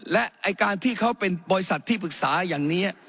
และไอ้การที่เขาเป็นบริษัทที่ปรึกษาอย่างนี้